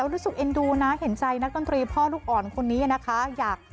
รู้สึกเอ็นดูนะเห็นใจนักดนตรีพ่อลูกอ่อนคนนี้นะคะ